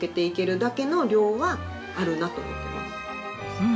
うん！